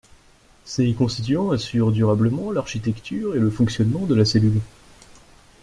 Ces constituants assurent durablement l'architecture et le fonctionnement de la cellule.